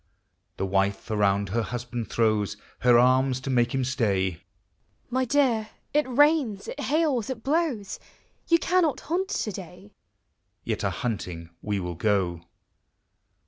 The wife around her husband throws Her arms to make him stay ; "My dear, it rains, it hails, it blows; You cannot hunt to day/' Yet a hunting we will go.